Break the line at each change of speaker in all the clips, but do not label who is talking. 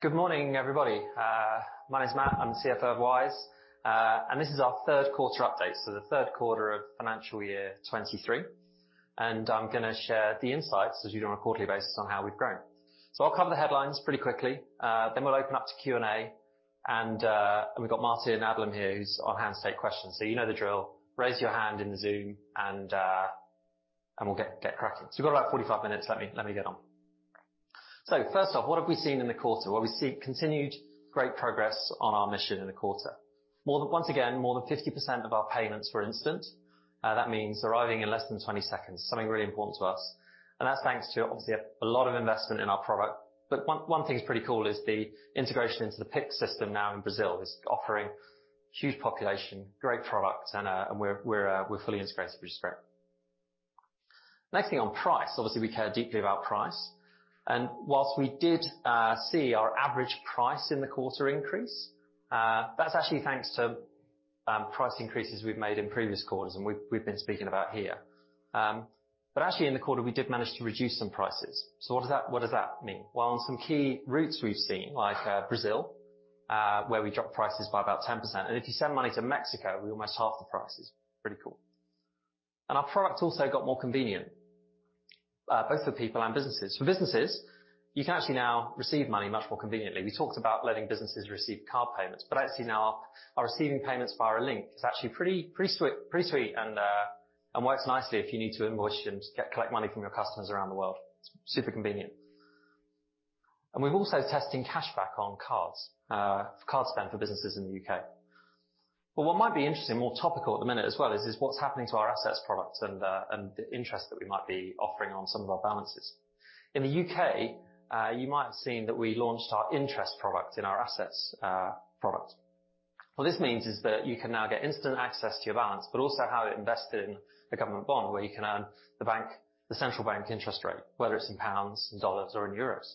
Good morning, everybody. My name is Matt, I'm the CFO of Wise, this is our third quarter update. The third quarter of financial year 2023, I'm going to share the insights, as you do on a quarterly basis, on how we've grown. I'll cover the headlines pretty quickly, we'll open up to Q&A, we've got Martin and Adam here who is on-hand to take questions. You know the drill. Raise your hand in the Zoom, we'll get cracking. We've got about 45 minutes. Let me get on. First off, what have we seen in the quarter? Well, we see continued great progress on our mission in the quarter. Once again, more than 50% of our payments were instant. That means arriving in less than 20 seconds, something really important to us. That's thanks to obviously a lot of investment in our product. One thing that's pretty cool is the integration into the Pix system now in Brazil is offering huge population, great product, and we're fully integrated with Pix. Next thing on price. Obviously, we care deeply about price. Whilst we did see our average price in the quarter increase, that's actually thanks to price increases we've made in previous quarters, and we've been speaking about here. Actually in the quarter we did manage to reduce some prices. What does that mean? Well, on some key routes we've seen, like Brazil, where we dropped prices by about 10%, if you send money to Mexico, we almost half the prices. Pretty cool. Our product also got more convenient, both for people and businesses. For businesses, you can actually now receive money much more conveniently. We talked about letting businesses receive card payments, but actually now our receiving payments via a link is actually pretty sweet, works nicely if you need to invoice and collect money from your customers around the world. It's super convenient. We're also testing cashback on cards, card spend for businesses in the U.K. What might be interesting, more topical at the minute as well, is what's happening to our assets products and the interest that we might be offering on some of our balances. In the U.K., you might have seen that we launched our interest product in our assets product. What this means is that you can now get instant access to your balance, but also have it invested in a government bond where you can earn the bank, the central bank interest rate, whether it's in pounds, in dollars or in euros.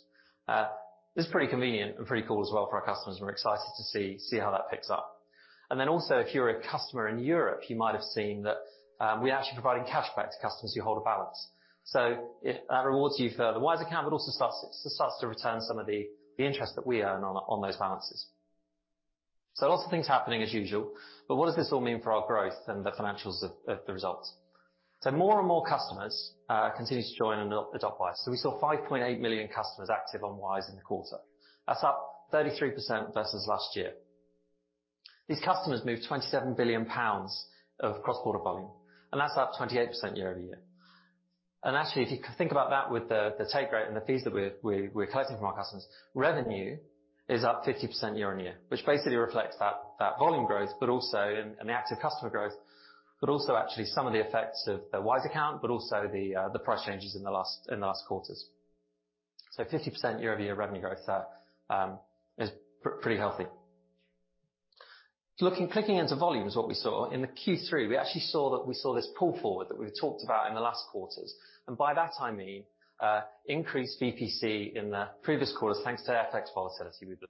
This is pretty convenient and pretty cool as well for our customers. We're excited to see how that picks up. Also, if you're a customer in Europe, you might have seen that we are actually providing cashback to customers who hold a balance. If that rewards you for the Wise Account, but also starts to return some of the interest that we earn on those balances. Lots of things happening as usual, but what does this all mean for our growth and the financials of the results? More and more customers continue to join and adopt Wise. We saw 5.8 million customers active on Wise in the quarter. That's up 33% versus last year. These customers moved 27 billion pounds of cross-border volume, and that's up 28% year-over-year. Actually, if you think about that with the take rate and the fees that we're collecting from our customers, revenue is up 50% year-on-year, which basically reflects that volume growth, but also... The active customer growth, but also actually some of the effects of the Wise Account, but also the price changes in the last quarters. 50% year-over-year revenue growth is pretty healthy. Looking, clicking into volume is what we saw. In Q3, we actually saw that we saw this pull forward that we talked about in the last quarters, and by that I mean, increased VPC in the previous quarters, thanks to FX volatility we've been.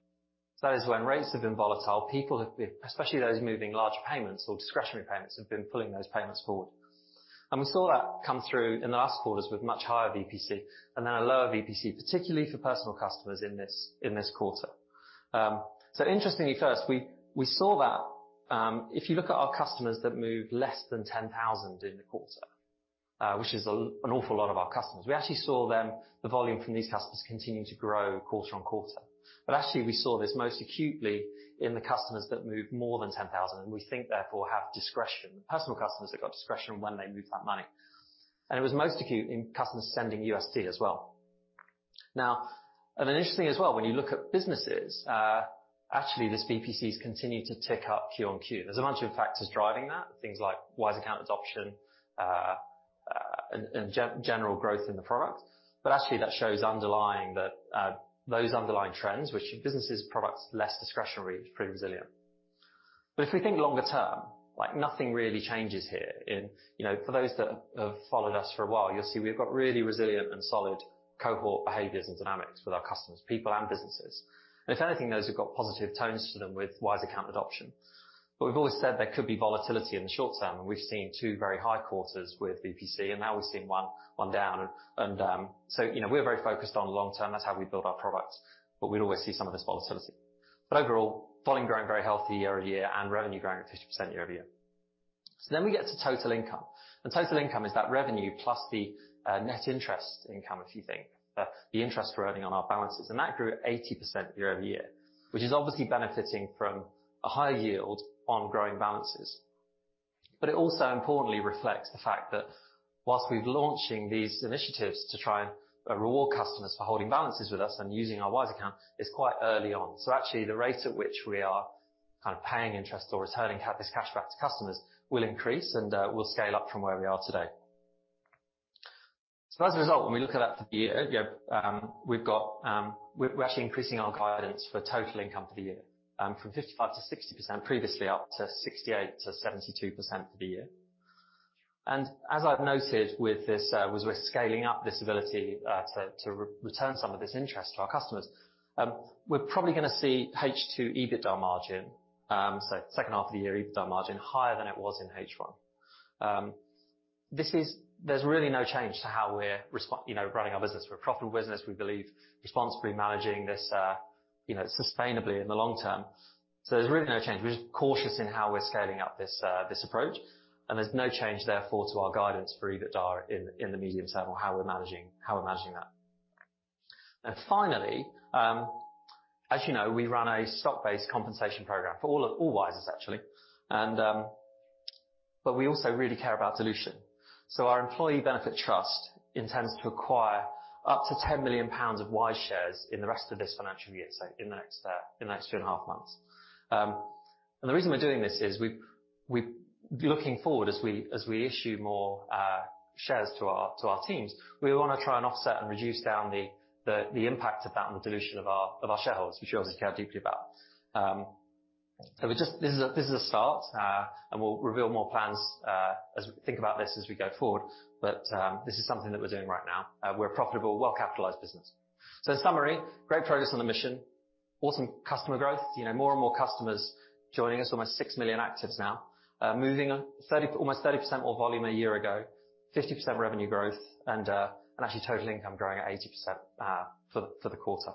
That is when rates have been volatile, people have been. Especially those moving large payments or discretionary payments, have been pulling those payments forward. We saw that come through in the last quarters with much higher VPC and then a lower VPC, particularly for personal customers in this quarter. Interestingly, first, we saw that, if you look at our customers that moved less than 10,000 in the quarter, which is an awful lot of our customers, we actually saw them, the volume from these customers continuing to grow quarter on quarter. Actually, we saw this most acutely in the customers that moved more than 10,000, and we think therefore have discretion. Personal customers that got discretion when they moved that money. It was most acute in customers sending USD as well. Interestingly as well, when you look at businesses, actually these VPCs continue to tick up Q-on-Q. There's a bunch of factors driving that. Things like Wise Account adoption, and general growth in the product. Actually that shows underlying those underlying trends, which in businesses products less discretionary, is pretty resilient. If we think longer term, like nothing really changes here in. You know, for those that have followed us for a while, you'll see we've got really resilient and solid cohort behaviors and dynamics with our customers, people and businesses. If anything, those have got positive tones to them with Wise Account adoption. We've always said there could be volatility in the short term, and we've seen two very high quarters with VPC, and now we've seen one down. You know, we're very focused on long term. That's how we build our products, but we'd always see some of this volatility. Overall, volume growing very healthy year-over-year and revenue growing at 50% year-over-year. We get to total income. Total income is that revenue plus the net interest income, if you think. The interest we're earning on our balances grew at 80% year-over-year, which is obviously benefiting from a higher yield on growing balances. It also importantly reflects the fact that whilst we're launching these initiatives to try and reward customers for holding balances with us and using our Wise Account, it's quite early on. Actually, the rate at which we are kind of paying interest or returning this cashback to customers will increase and will scale up from where we are today. As a result, when we look at that for the year, we've got, we're actually increasing our guidance for total income for the year, from 55%-60% previously, up to 68%-72% for the year. As I've noted with this, was we're scaling up this ability to return some of this interest to our customers. We're probably gonna see H2 EBITDA margin, so second half of the year EBITDA margin, higher than it was in H1. There's really no change to how we're you know, running our business. We're a profitable business. We believe responsibly managing this, you know, sustainably in the long term. There's really no change. We're just cautious in how we're scaling up this approach. There's no change, therefore, to our guidance for EBITDA in the medium term or how we're managing that. Finally, as you know, we run a stock-based compensation program for all Wisers actually. We also really care about dilution. Our employee benefit trust intends to acquire up to 10 million pounds of Wise shares in the rest of this financial year, so in the next 2.5 months. The reason we're doing this is we looking forward as we issue more shares to our teams, we wanna try and offset and reduce down the impact of that on the dilution of our shareholders, which we obviously care deeply about. This is a start, and we'll reveal more plans as we think about this as we go forward, but this is something that we're doing right now. We're a profitable, well-capitalized business. In summary, great progress on the mission. Awesome customer growth. You know, more and more customers joining us. Almost 6 million actives now. Moving on almost 30% more volume a year ago, 50% revenue growth, and actually total income growing at 80% for the quarter.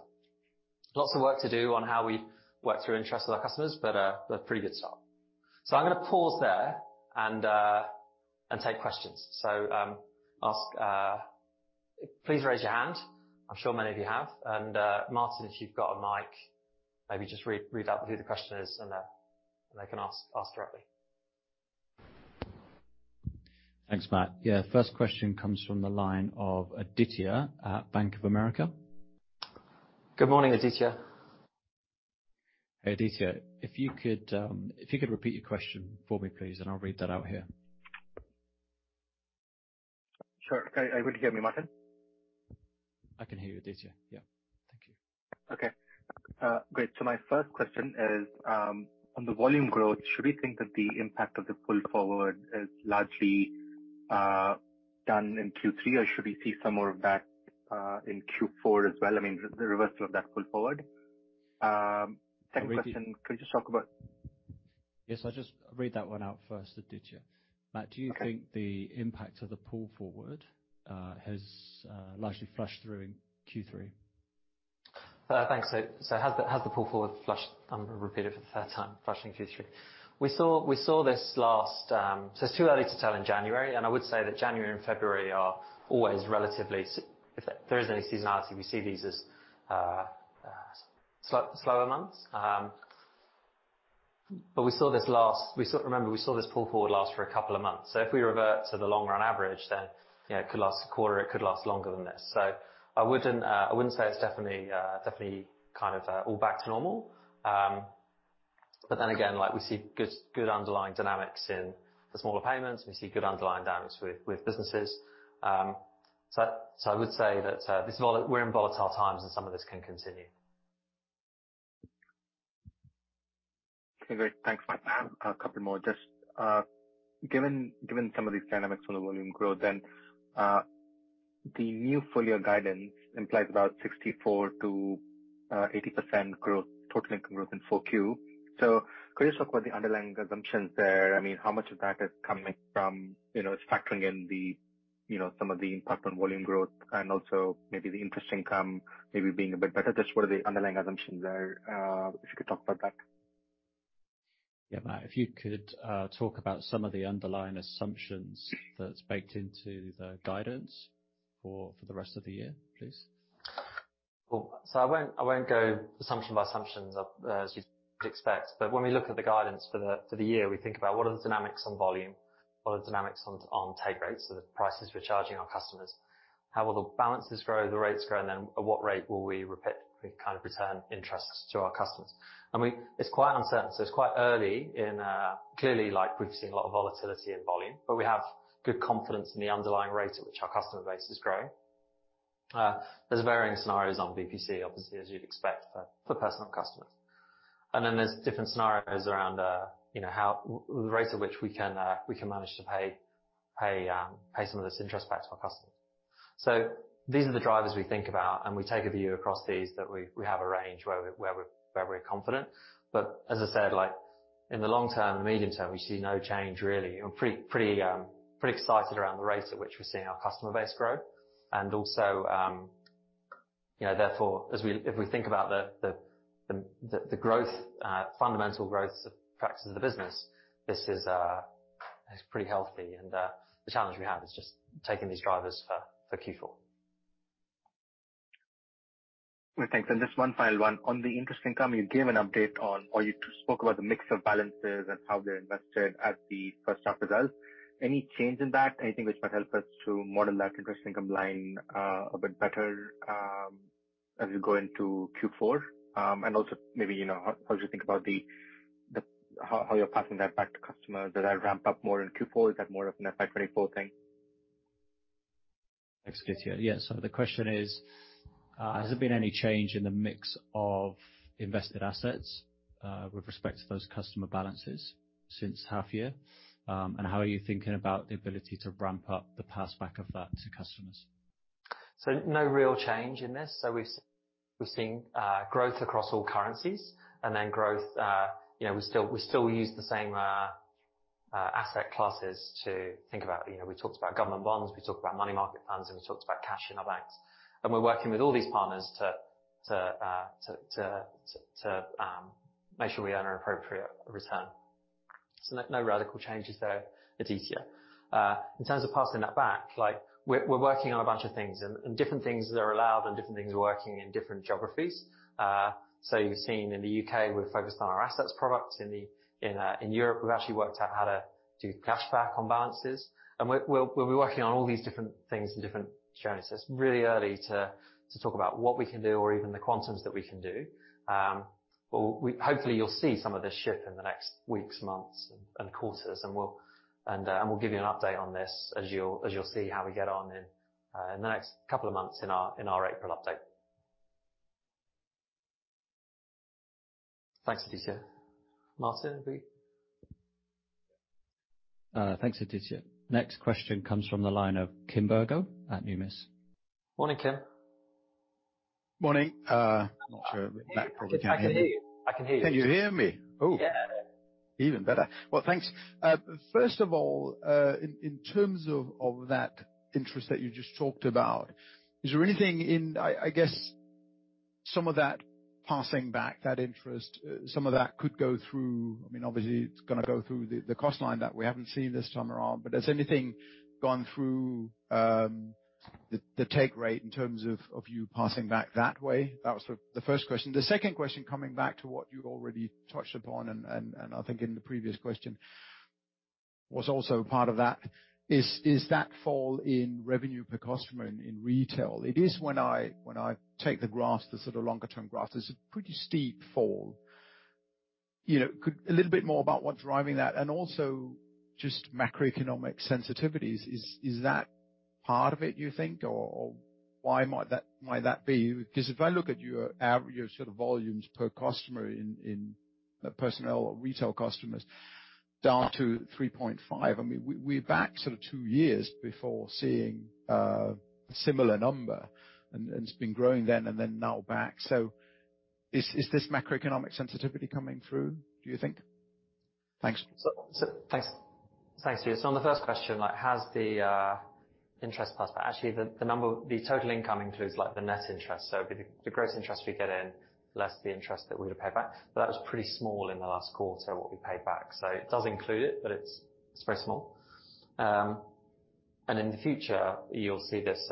Lots of work to do on how we work through interest with our customers, but a pretty good start. I'm going to pause there and take questions. Ask. Please raise your hand. I'm sure many of you have. Martin, if you've got a mic, maybe just read out who the question is, and they can ask directly.
Thanks, Matt. Yeah, first question comes from the line of Aditya at Bank of America.
Good morning, Aditya.
Hey, Aditya. If you could repeat your question for me, please. I'll read that out here.
Sure. Are you good to hear me, Martin?
I can hear you, Aditya. Yeah. Thank you.
My first question is, on the volume growth, should we think that the impact of the pull forward is largely done in Q3, or should we see some more of that in Q4 as well? I mean, the reversal of that pull forward. Second question, could you just talk about
Yes, I'll just read that one out first, Aditya. Matt, do you think the impact of the pull forward has largely flushed through in Q3?
Thanks. Has the pull forward flushed, I'm gonna repeat it for the third time, flushed in Q3. We saw this last. It's too early to tell in January, and I would say that January and February are always relatively if there is any seasonality, we see these as slower months. We saw this last. Remember, we saw this pull forward last for two months. If we revert to the longer on average, then, you know, it could last 1 quarter, it could last longer than this. I wouldn't say it's definitely kind of all back to normal. Then again, like, we see good underlying dynamics in the smaller payments. We see good underlying dynamics with businesses. I would say that, we're in volatile times, and some of this can continue.
Okay, great. Thanks, Matt. I have a couple more. Just, given some of these dynamics for the volume growth and the new full year guidance implies about 64%-80% growth, total income growth in full Q. Could you talk about the underlying assumptions there? I mean, how much of that is coming from, you know, factoring in the, you know, some of the impact on volume growth and also maybe the interest income maybe being a bit better? Just what are the underlying assumptions there, if you could talk about that.
Yeah. Matt, if you could talk about some of the underlying assumptions that's baked into the guidance for the rest of the year, please.
Cool. I won't go assumption by assumptions as you'd expect. When we look at the guidance for the year, we think about what are the dynamics on volume, what are the dynamics on take rates, so the prices we're charging our customers. How will the balances grow, the rates grow, and then at what rate will we kind of return interests to our customers. I mean, it's quite uncertain, so it's quite early in. Clearly, like, we've seen a lot of volatility in volume, but we have good confidence in the underlying rate at which our customer base is growing. There's varying scenarios on BPC, obviously, as you'd expect for personal customers. There's different scenarios around, you know, the rates at which we can manage to pay some of this interest back to our customers. These are the drivers we think about, and we take a view across these that we have a range where we're, where we're, where we're confident. As I said, like, in the long term and the medium term, we see no change really. We're pretty excited around the rates at which we're seeing our customer base grow. Also, you know, therefore, if we think about the growth, fundamental growth factors of the business, this is pretty healthy. The challenge we have is just taking these drivers for Q4.
Great. Thanks. Just one final one. On the interest income, you gave an update on or you spoke about the mix of balances and how they're invested at the first half results. Any change in that? Anything which might help us to model that interest income line, a bit better, as we go into Q4? Also maybe, you know, how do you think about how you're passing that back to customers? Does that ramp up more in Q4? Is that more of an effect full thing?
Thanks, Aditya. Yeah. The question is, has there been any change in the mix of invested assets with respect to those customer balances since half year? How are you thinking about the ability to ramp up the passback of that to customers?
No real change in this. We've seen growth across all currencies and then growth, you know we still use the same asset classes to think about. You know, we talked about government bonds, we talked about money market funds, and we talked about cash in our banks. We're working with all these partners to make sure we earn an appropriate return. No radical changes there, Aditya. In terms of passing that back, like we're working on a bunch of things and different things that are allowed and different things are working in different geographies. You've seen in the U.K. we're focused on our assets products. In Europe, we've actually worked out how to do cashback on balances. We'll be working on all these different things in different journeys. It's really early to talk about what we can do or even the quantums that we can do. Hopefully you'll see some of this shift in the next weeks, months, and quarters. We'll give you an update on this as you'll see how we get on in the next couple of months in our April update. Thanks, Aditya. Martin, are we...
Thanks, Aditya. Next question comes from the line of Kim Burrows at Numis.
Morning, Kim.
Morning. Not sure that probably can't hear me.
I can hear you.
Can you hear me? Oh.
Yeah.
Even better. Well, thanks. First of all, in terms of that interest that you just talked about, is there anything in... I guess some of that passing back, that interest, some of that could go through... I mean, obviously it's gonna go through the cost line that we haven't seen this time around, but has anything gone through, the take rate in terms of you passing back that way? That was the first question. The second question, coming back to what you already touched upon and I think in the previous question was also part of that is that fall in revenue per customer in retail. It is when I take the graph, the sort of longer term graph, there's a pretty steep fall. You know, could. A little bit more about what's driving that and also just macroeconomic sensitivities. Is that part of it, you think, or why might that be? Because if I look at your sort of volumes per customer in personnel or retail customers down to 3.5. I mean, we're back sort of two years before seeing a similar number, and it's been growing then and now back. Is this macroeconomic sensitivity coming through, do you think? Thanks.
So thanks. Thanks, yeah. On the first question, like, has the interest passed back? Actually, the total income includes like the net interest. It'd be the gross interest we get in less the interest that we've got to pay back. That was pretty small in the last quarter, what we paid back. It does include it, but it's very small. In the future, you'll see this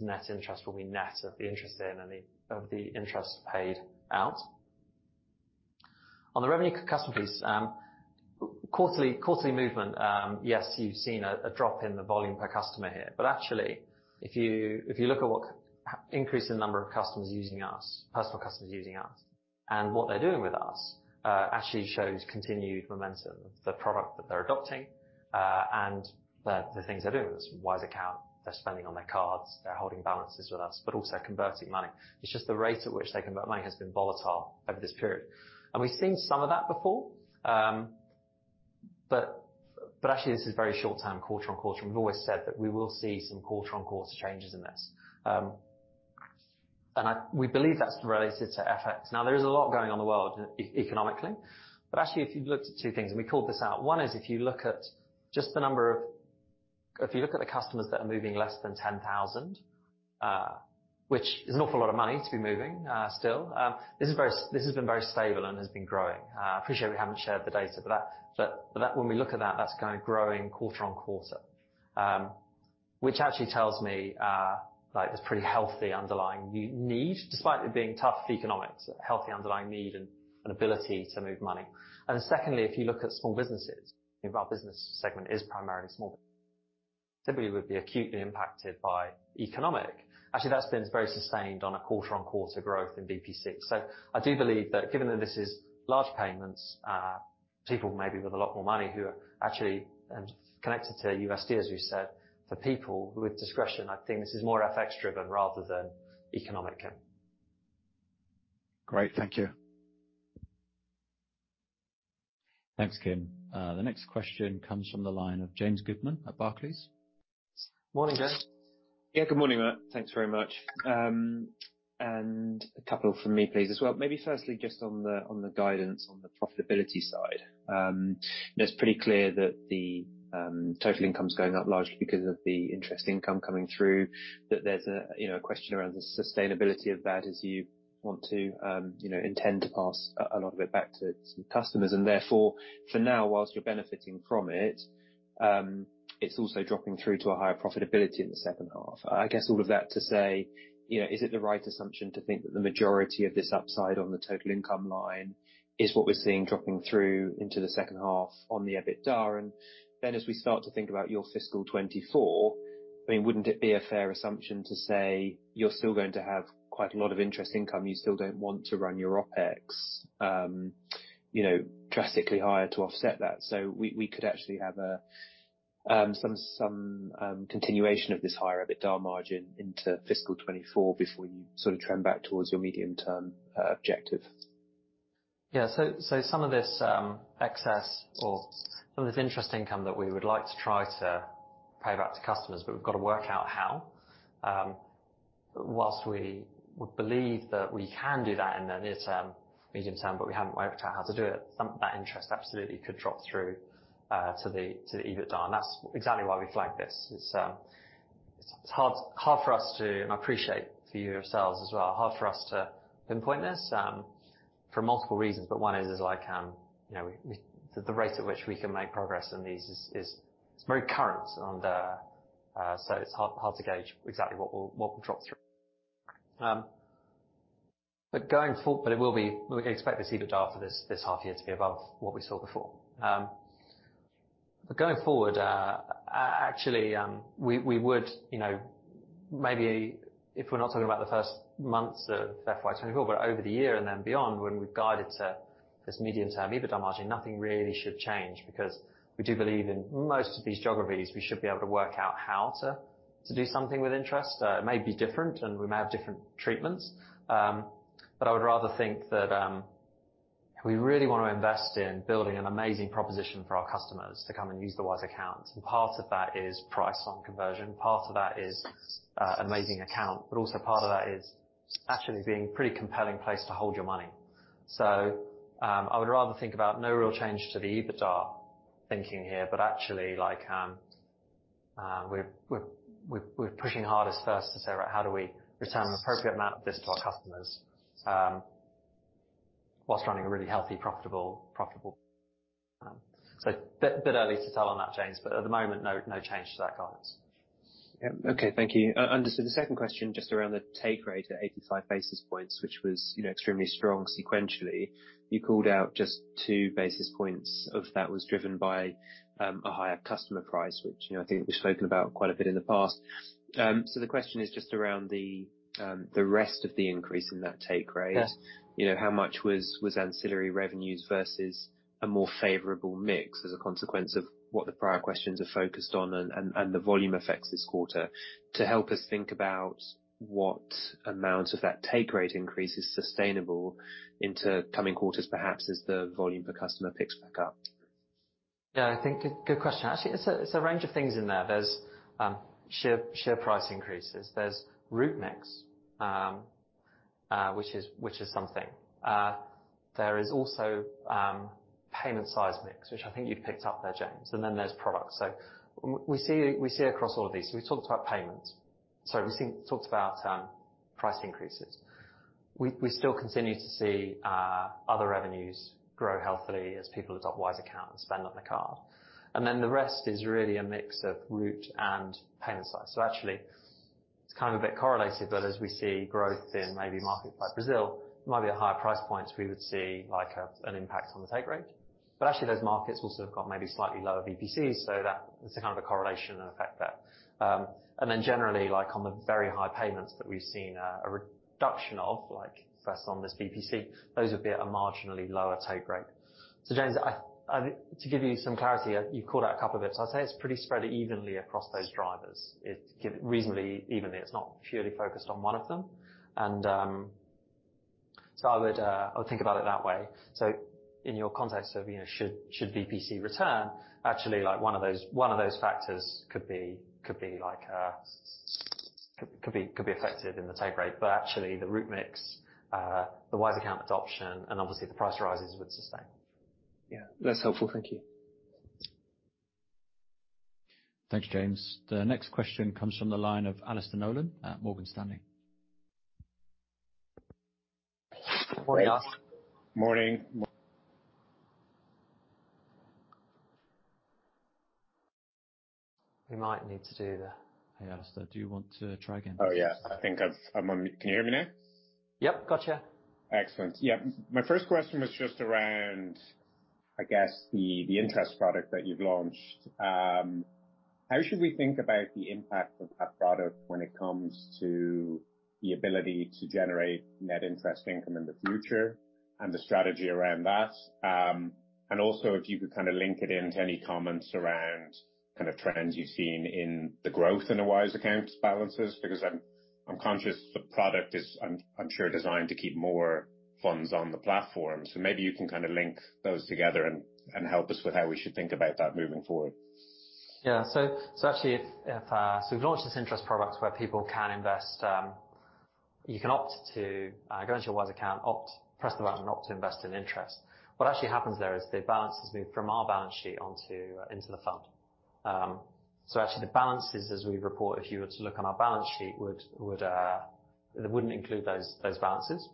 net interest will be net of the interest in and of the interest paid out. On the revenue per customer piece, quarterly movement, yes, you've seen a drop in the volume per customer here. Actually if you look at increase in number of customers using us, personal customers using us and what they're doing with us, actually shows continued momentum of the product that they're adopting and the things they're doing. There's Wise Account, they're spending on their cards, they're holding balances with us, but also converting money. It's just the rate at which they convert money has been volatile over this period. We've seen some of that before. But actually this is very short term quarter-on-quarter. We've always said that we will see some quarter-on-quarter changes in this. We believe that's related to FX. There is a lot going on in the world economically, but actually if you've looked at two things, and we called this out. One is if you look at the customers that are moving less than 10,000, which is an awful lot of money to be moving, still. This has been very stable and has been growing. I appreciate we haven't shared the data for that, but that, when we look at that's kind of growing quarter-on-quarter. Which actually tells me, like there's pretty healthy underlying need, despite it being tough economics, a healthy underlying need and an ability to move money. Secondly, if you look at small businesses, you know our business segment is primarily small businesses, would be acutely impacted by economic. Actually, that's been very sustained on a quarter-on-quarter growth in BP6. I do believe that given that this is large payments, people maybe with a lot more money who are actually connected to USD, as you said, for people with discretion, I think this is more FX driven rather than economic input.
Great. Thank you.
Thanks, Kim. The next question comes from the line of James Goodman at Barclays.
Morning, James.
Yeah, good morning, Matt. Thanks very much. A couple from me please as well. Maybe firstly, just on the, on the guidance on the profitability side. You know it's pretty clear that the total income's going up largely because of the interest income coming through, that there's a, you know, a question around the sustainability of that as you want to, you know, intend to pass a lot of it back to some customers. Therefore, for now, whilst you're benefiting from it's also dropping through to a higher profitability in the second half. I guess all of that to say, you know, is it the right assumption to think that the majority of this upside on the total income line is what we're seeing dropping through into the second half on the EBITDA? As we start to think about your fiscal 2024, I mean, wouldn't it be a fair assumption to say you're still going to have quite a lot of interest income? You still don't want to run your OpEx, you know, drastically higher to offset that. We could actually have a, some continuation of this higher EBITDA margin into fiscal 2024 before you sort of trend back towards your medium-term objective.
Yeah. Some of this excess or some of this interest income that we would like to try to pay back to customers. We've got to work out how. Whilst we would believe that we can do that in the near term, medium term. We haven't worked out how to do it. Some of that interest absolutely could drop through to the EBITDA. That's exactly why we flag this. It's hard for us to. I appreciate for yourselves as well, hard for us to pinpoint this for multiple reasons, but one is like, you know, the rate at which we can make progress in these is very current on the. It's hard to gauge exactly what will drop through. It will be. We can expect this EBITDA for this half year to be above what we saw before. Going forward, actually, we would, you know, maybe if we're not talking about the first months of FY24, but over the year and then beyond when we've guided to this medium-term EBITDA margin, nothing really should change because we do believe in most of these geographies, we should be able to work out how to do something with interest. It may be different and we may have different treatments, I would rather think that, we really wanna invest in building an amazing proposition for our customers to come and use the Wise accounts. Part of that is price on conversion, part of that is, amazing account, but also part of that is actually being pretty compelling place to hold your money. I would rather think about no real change to the EBITDA thinking here, but actually, like, we're pushing hard as first to say, "Well, how do we return an appropriate amount of this to our customers, whilst running a really healthy, profitable." Bit early to tell on that, James, but at the moment, no change to that guidance.
Yeah. Okay. Thank you. The second question, just around the take rate at 85 basis points, which was, you know, extremely strong sequentially. You called out just 2 basis points of that was driven by a higher customer price, which, you know, I think we've spoken about quite a bit in the past. The question is just around the rest of the increase in that take rate.
Yeah.
You know, how much was ancillary revenues versus a more favorable mix as a consequence of what the prior questions are focused on and the volume effects this quarter? To help us think about what amount of that take rate increase is sustainable into coming quarters, perhaps as the volume per customer picks back up.
Yeah, I think good question. Actually, it's a range of things in there. There's share price increases. There's route mix, which is something. There is also payment size mix, which I think you've picked up there, James. Then there's products. We see across all of these. We've talked about payments. Sorry, we've talked about price increases. We still continue to see other revenues grow healthily as people adopt Wise Account and spend on the card. Then the rest is really a mix of route and payment size. Actually, it's kind of a bit correlated, but as we see growth in maybe markets like Brazil, might be at higher price points, we would see like an impact on the take rate. Actually, those markets will sort of got maybe slightly lower VPCs, so that is a kind of a correlation and effect there. Generally, like on the very high payments that we've seen a reduction of, like first on this VPC, those would be at a marginally lower take rate. James, I to give you some clarity, you've called out a couple of it. I'd say it's pretty spread evenly across those drivers. It give reasonably evenly. It's not purely focused on one of them. I would think about it that way. In your context of, you know, should VPC return, actually like one of those, one of those factors could be like, could be affected in the take rate. actually the route mix, the Wise Account adoption and obviously the price rises would sustain.
Yeah. That's helpful. Thank you.
Thank you, James. The next question comes from the line of Alastair Nolan at Morgan Stanley.
Morning, Alastair.
Morning.
We might need to do the-.
Hey, Alastair, do you want to try again?
Oh, yeah. Can you hear me now?
Yep. Got ya.
Excellent. Yeah. My first question was just around, I guess, the interest product that you've launched. How should we think about the impact of that product when it comes to the ability to generate net interest income in the future and the strategy around that? Also, if you could kinda link it into any comments around kind of trends you've seen in the growth in the Wise accounts balances, because I'm conscious the product is, I'm sure designed to keep more funds on the platform. Maybe you can kinda link those together and help us with how we should think about that moving forward.
Yeah. Actually, if, we've launched this interest product where people can invest. You can opt to go into your Wise Account, opt, press the button, opt to invest in interest. What actually happens there is the balances move from our balance sheet into the fund. Actually the balances as we report, if you were to look on our balance sheet, wouldn't include those balances.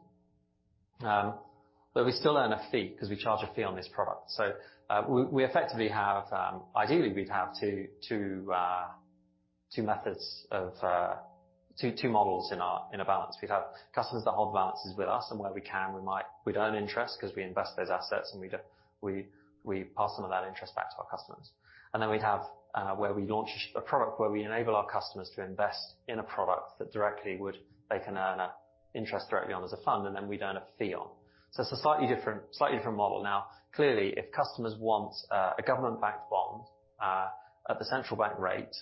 We still earn a fee 'cause we charge a fee on this product. We effectively have. Ideally, we'd have two methods of two models in our balance. We'd have customers that hold balances with us, and where we can, we might. We'd earn interest 'cause we invest those assets, and we'd, we pass some of that interest back to our customers. Then we'd have where we launch a product where we enable our customers to invest in a product. They can earn interest directly on as a fund, then we'd earn a fee on. It's a slightly different, slightly different model. Clearly, if customers want a government-backed bond at the central bank rate,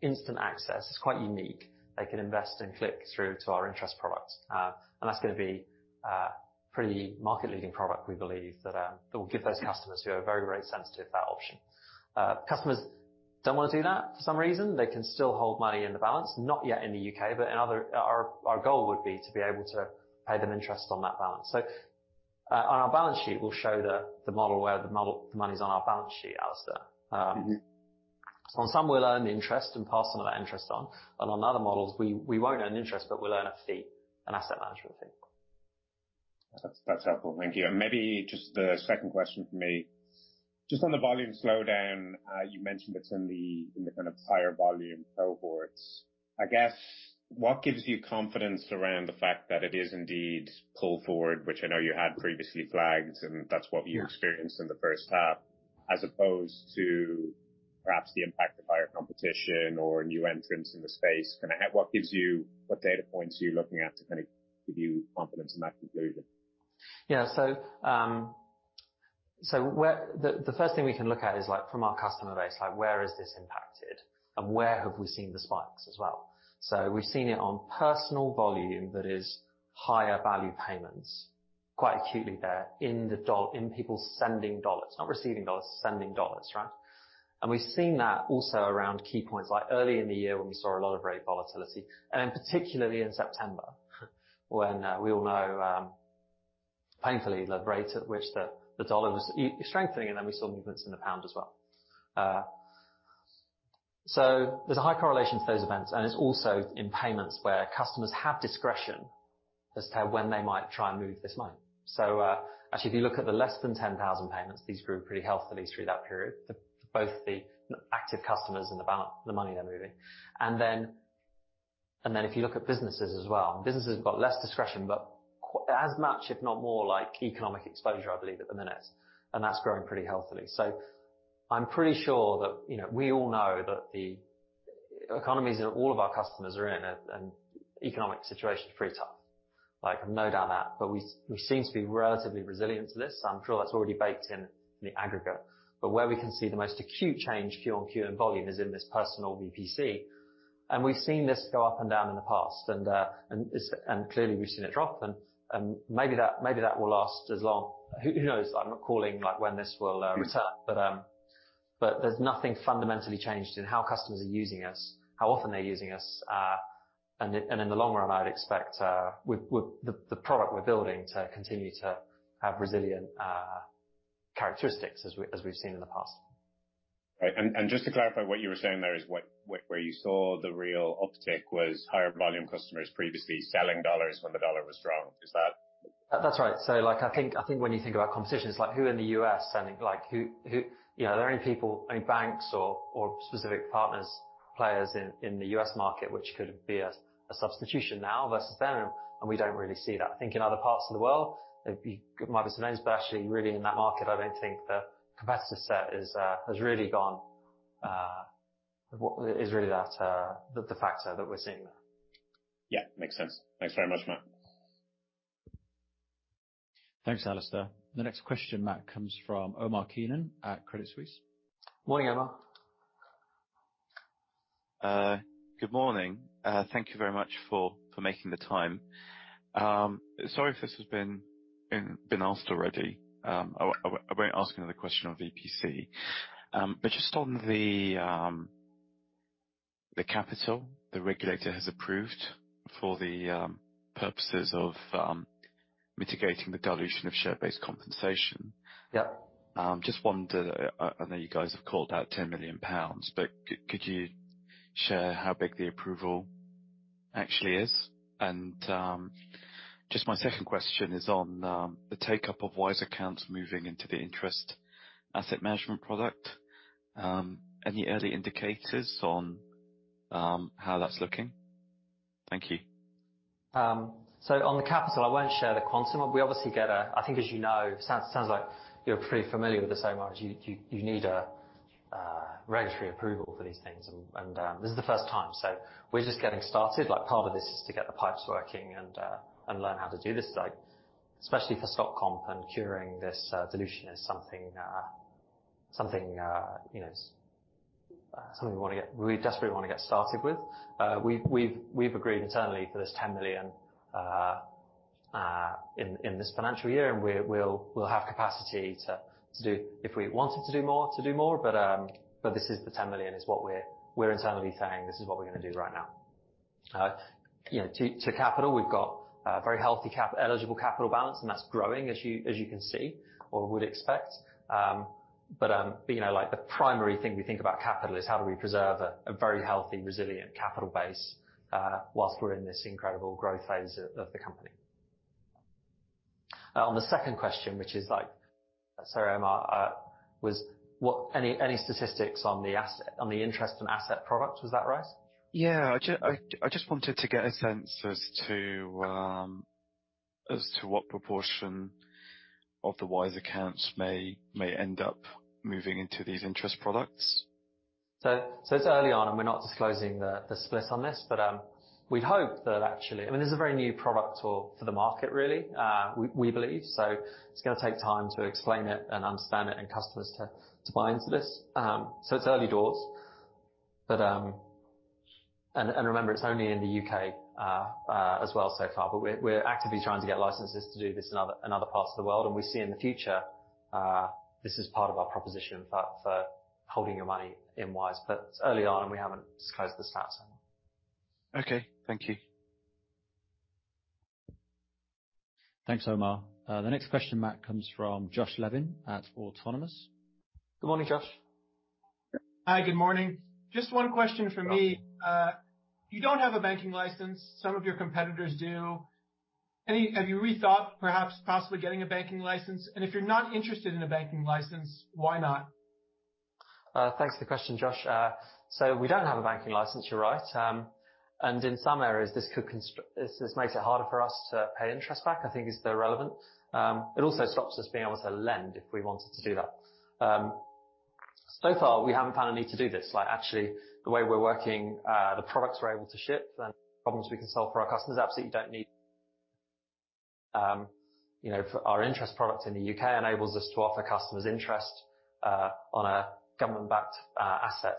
instant access, it's quite unique, they can invest and click through to our interest products. That's gonna be a pretty market-leading product, we believe, that will give those customers who are very, very sensitive that option. Customers don't wanna do that for some reason, they can still hold money in the balance, not yet in the U.K., but in other. Our goal would be to be able to pay them interest on that balance. On our balance sheet, we'll show the model where the money's on our balance sheet, Alistair. On some we'll earn interest and pass some of that interest on. On other models, we won't earn interest, but we'll earn a fee, an asset management fee.
That's helpful. Thank you. Maybe just the second question for me. Just on the volume slowdown, you mentioned it's in the kind of higher volume cohorts. I guess, what gives you confidence around the fact that it is indeed pull forward, which I know you had previously flagged, and that's what you experienced in the first half, as opposed to perhaps the impact of higher competition or new entrants in the space. What data points are you looking at to kind of give you confidence in that conclusion?
Yeah. The first thing we can look at is, like, from our customer base, like where is this impacted and where have we seen the spikes as well. We've seen it on personal volume that is higher value payments, quite acutely there in people sending dollars. Not receiving dollars, sending dollars, right? We've seen that also around key points, like early in the year when we saw a lot of rate volatility. Particularly in September when we all know, painfully the rate at which the dollar was strengthening, and then we saw movements in the pound as well. There's a high correlation to those events, and it's also in payments where customers have discretion as to when they might try and move this money. Actually, if you look at the less than 10,000 payments, these grew pretty healthily through that period for both the active customers and the money they're moving. If you look at businesses as well, businesses have got less discretion, but as much, if not more, like, economic exposure, I believe, at the minute, and that's growing pretty healthily. I'm pretty sure that, you know, we all know that the economies that all of our customers are in and economic situation is pretty tough. Like, no doubt that. We seem to be relatively resilient to this. I'm sure that's already baked in the aggregate. Where we can see the most acute change quarter-over-quarter in volume is in this personal VPC. We've seen this go up and down in the past, and clearly we've seen it drop then. Maybe that will last as long. Who knows? I'm not calling, like, when this will return. There's nothing fundamentally changed in how customers are using us, how often they're using us. In the long run, I would expect, with the product we're building to continue to have resilient characteristics as we've seen in the past.
Right. Just to clarify, where you saw the real uptick was higher volume customers previously selling dollars when the dollar was strong. Is that?
That's right. Like, I think when you think about competitions, like who in the U.S. sending. You know, are there any people, any banks or specific partners, players in the U.S. market which could be a substitution now versus then? We don't really see that. I think in other parts of the world it'd be good might be to know, actually really in that market, I don't think the competitor set is has really gone what is really that the factor that we're seeing there.
Yeah. Makes sense. Thanks very much, Matt.
Thanks, Alistair. The next question, Matt, comes from Omar Keenan at Credit Suisse.
Morning, Omar.
Good morning. Thank you very much for making the time. Sorry if this has been asked already, I won't ask another question on VPC. Just on the capital the regulator has approved for the, purposes of, mitigating the dilution of share-based compensation.
Yeah.
Just wondered, I know you guys have called out 10 million pounds, but could you share how big the approval actually is? Just my second question is on the take-up of Wise accounts moving into the interest asset management product. Any early indicators on how that's looking? Thank you.
won't share the quantum. We obviously get a I think as you know, sounds like you're pretty familiar with this, Omar. You need a regulatory approval for these things. This is the first time. We're just getting started. Like, part of this is to get the pipes working and learn how to do this. Like, especially for stock comp and curing this dilution is something, you know, something we want to get we desperately want to get started with. We've agreed internally for this 10 million in this financial year, and we'll have capacity to do if we wanted to do more, to do more. This is the 10 million is what we're internally saying this is what we're going to do right now. You know, to capital, we've got a very healthy eligible capital balance, and that's growing as you can see or would expect. You know, like the primary thing we think about capital is how do we preserve a very healthy, resilient capital base, whilst we're in this incredible growth phase of the company. On the second question, which is like. Sorry, Omar, was what, any statistics on the asset, on the interest and asset product, was that right?
Yeah. I just wanted to get a sense as to what proportion of the Wise accounts may end up moving into these interest products.
It's early on, and we're not disclosing the split on this. We hope that actually, I mean, this is a very new product for the market really, we believe. It's gonna take time to explain it and understand it and customers to buy into this. It's early doors. Remember, it's only in the U.K. as well so far, but we're actively trying to get licenses to do this in other parts of the world. We see in the future, this is part of our proposition for holding your money in Wise. It's early on, and we haven't disclosed the stats.
Okay. Thank you. Thanks, Omar. The next question, Matt, comes from Josh Levin at Autonomous.
Good morning, Josh.
Hi, good morning. Just one question from me. You don't have a banking license, some of your competitors do. Have you rethought perhaps possibly getting a banking license? If you're not interested in a banking license, why not?
Thanks for the question, Josh. We don't have a banking license, you're right. In some areas, this makes it harder for us to pay interest back, I think is the relevant. It also stops us being able to lend if we wanted to do that. Far, we haven't found a need to do this. Like, actually, the way we're working, the products we're able to ship and problems we can solve for our customers absolutely don't need. You know, for our interest product in the U.K. enables us to offer customers interest on a government-backed asset,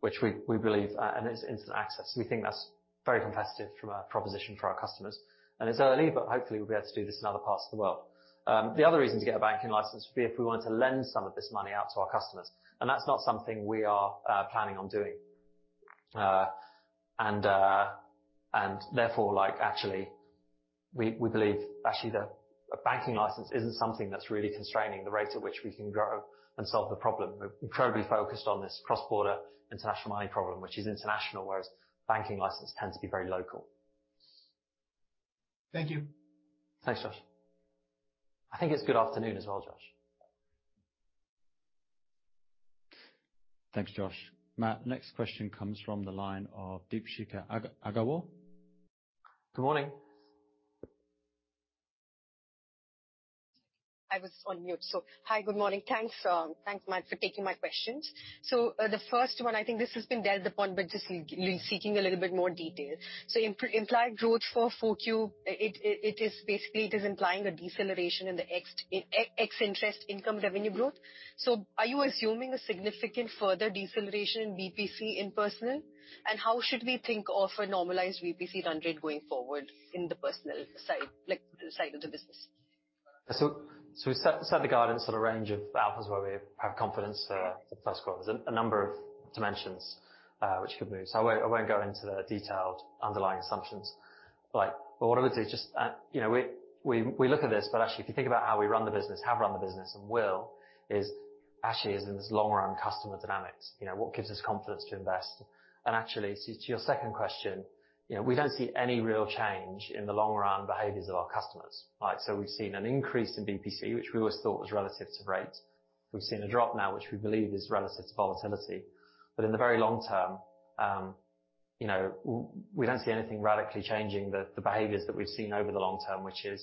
which we believe, it's instant access. We think that's very competitive from a proposition for our customers. It's early, but hopefully we'll be able to do this in other parts of the world. The other reason to get a banking license would be if we wanted to lend some of this money out to our customers. That's not something we are planning on doing. Therefore, like, actually, we believe actually that a banking license isn't something that's really constraining the rate at which we can grow and solve the problem. We're incredibly focused on this cross-border international money problem, which is international, whereas banking license tends to be very local.
Thank you.
Thanks, Josh. I think it's good afternoon as well, Josh.
Thanks, Josh. Matt, next question comes from the line of Deepshika Agarwal.
Good morning.
I was on mute. Hi, good morning. Thanks, thanks, Matt, for taking my questions. The first one, I think this has been dealt upon, but just seeking a little bit more detail. Implied growth for 4Q, it is basically implying a deceleration in the ex-interest income revenue growth. Are you assuming a significant further deceleration in BP6 in personal? How should we think of a normalized BP6 run rate going forward in the personal side of the business?
We set the guidance at a range of outcomes where we have confidence for the first quarter. There's a number of dimensions which could move. I won't go into the detailed underlying assumptions. What I would say is just, you know, we look at this, but actually, if you think about how we run the business, have run the business and will, is actually is in this long run customer dynamics. You know, what gives us confidence to invest? Actually, to your second question, you know, we don't see any real change in the long run behaviors of our customers, right? We've seen an increase in BP6, which we always thought was relative to rates. We've seen a drop now, which we believe is relative to volatility. In the very long term, you know, we don't see anything radically changing the behaviors that we've seen over the long term, which is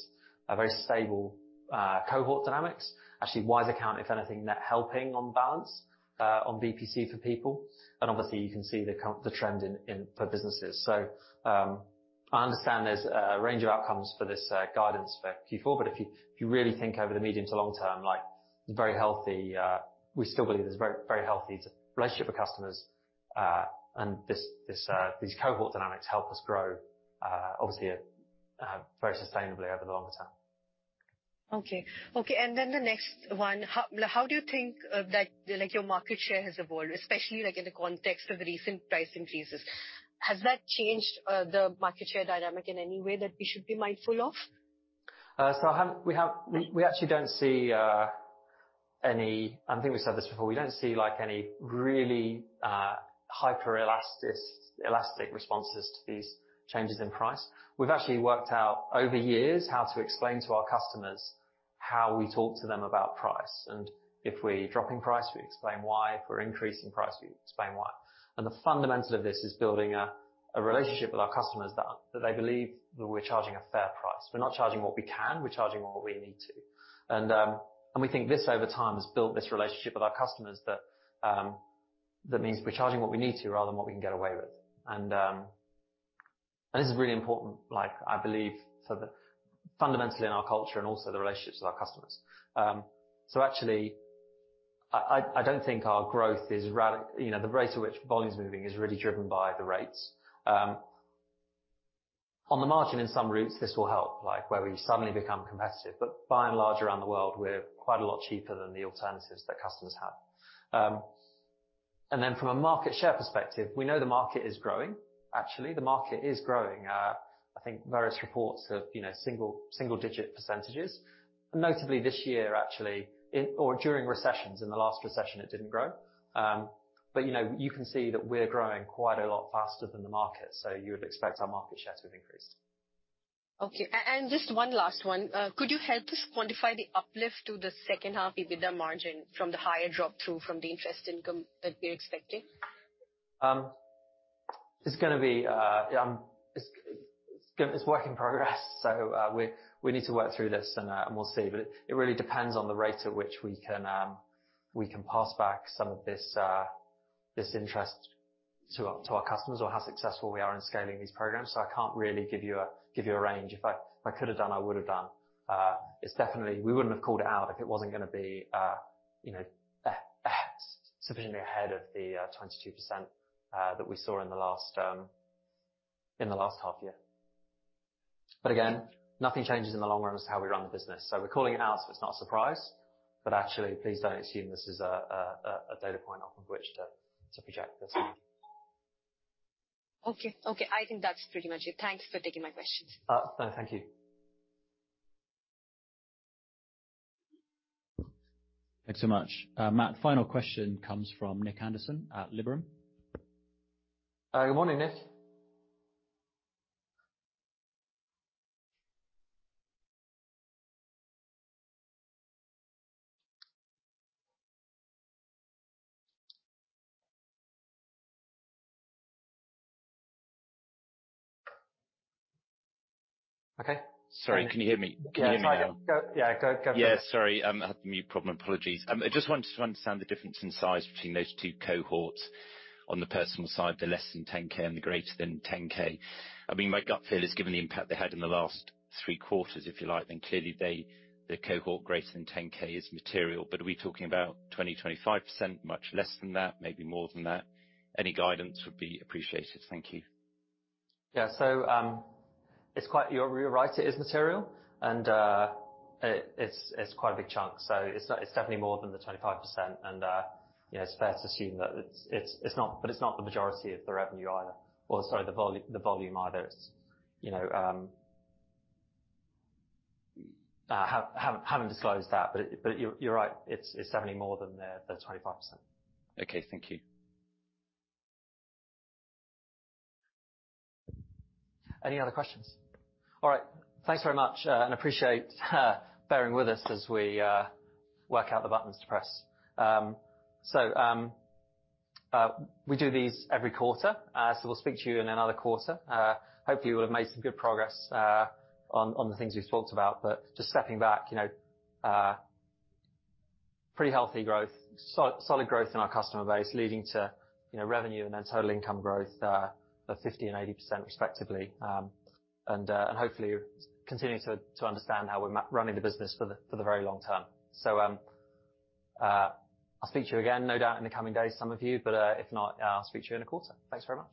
a very stable cohort dynamics. Actually Wise Account, if anything, net helping on balance on BPC for people. Obviously, you can see the trend for businesses. I understand there's a range of outcomes for this guidance for Q4, but if you, if you really think over the medium to long term, like, it's very healthy. We still believe there's a very, very healthy relationship with customers. And these cohort dynamics help us grow, obviously, very sustainably over the longer term.
Okay. The next one. How do you think, that, like, your market share has evolved, especially, like, in the context of the recent price increases? Has that changed the market share dynamic in any way that we should be mindful of?
I actually don't see any. I think we said this before. We don't see, like, any really elastic responses to these changes in price. We've actually worked out over years how to explain to our customers how we talk to them about price. If we're dropping price, we explain why. If we're increasing price, we explain why. The fundamental of this is building a relationship with our customers that they believe that we're charging a fair price. We're not charging what we can, we're charging what we need to. We think this over time has built this relationship with our customers that means we're charging what we need to rather than what we can get away with. This is really important, like, I believe sort of fundamentally in our culture and also the relationships with our customers. So actually I, I don't think our growth is you know, the rate at which volume is moving is really driven by the rates. On the margin in some routes, this will help, like, where we suddenly become competitive. By and large, around the world, we're quite a lot cheaper than the alternatives that customers have. Then from a market share perspective, we know the market is growing. Actually, the market is growing. I think various reports of, you know, single digit percent. Notably this year, actually, or during recessions. In the last recession, it didn't grow. You know, you can see that we're growing quite a lot faster than the market, so you would expect our market share to have increased.
Okay. Just one last one. Could you help us quantify the uplift to the second half EBITDA margin from the higher drop-through from the interest income that you're expecting?
It's gonna be work in progress, we need to work through this and we'll see. It really depends on the rate at which we can pass back some of this interest to our customers or how successful we are in scaling these programs. I can't really give you a range. If I could have done, I would have done. It's definitely. We wouldn't have called it out if it wasn't gonna be, you know, sufficiently ahead of the 22% that we saw in the last half year. Again, nothing changes in the long run as to how we run the business. We're calling it out, so it's not a surprise, but actually, please don't assume this is a data point off of which to project the team.
Okay, I think that's pretty much it. Thanks for taking my questions.
No, thank you.
Thanks so much. Matt, final question comes from Nick Anderson at Liberum.
good morning, Nick. Okay.
Sorry, can you hear me? Can you hear me now?
Yeah. Sorry. Go, yeah, go for it.
Yeah, sorry. I had a mute problem. Apologies. I just wanted to understand the difference in size between those two cohorts on the personal side, the less than 10K and the greater than 10K. I mean, my gut feel is, given the impact they had in the last three quarters, if you like, then clearly the cohort greater than 10K is material. Are we talking about 20%-25%? Much less than that? Maybe more than that? Any guidance would be appreciated. Thank you.
You're right, it is material and it's quite a big chunk, so it's not. It's definitely more than the 25% and, you know, it's fair to assume that it's not. But it's not the majority of the revenue either. Or, sorry, the volume either. You know, haven't disclosed that, but you're right, it's definitely more than the 25%.
Okay, thank you.
Any other questions? All right. Thanks very much, and appreciate bearing with us as we work out the buttons to press. We do these every quarter, so we'll speak to you in another quarter. Hopefully we'll have made some good progress on the things we've talked about. Just stepping back, you know, pretty healthy growth, solid growth in our customer base leading to, you know, revenue and then total income growth of 50% and 80% respectively. Hopefully continuing to understand how we're running the business for the very long term. I'll speak to you again, no doubt, in the coming days, some of you, but if not, I'll speak to you in a quarter. Thanks very much.